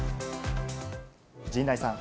陣内さん。